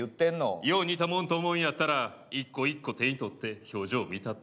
よう似たもんと思うんやったら一個一個手に取って表情見たってや。